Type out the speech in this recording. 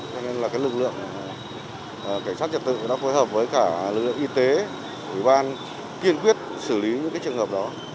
cho nên là lực lượng cảnh sát trật tự đã phối hợp với cả lực lượng y tế ủy ban kiên quyết xử lý những cái trường hợp đó